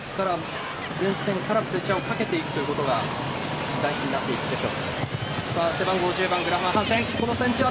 前線からプレッシャーをかけていくことが大事になっていきます。